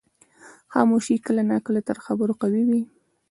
خاموشي کله ناکله تر خبرو قوي وي.